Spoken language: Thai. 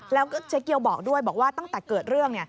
แล้วก็เจ๊เกียวบอกด้วยบอกว่าตั้งแต่เกิดเรื่อง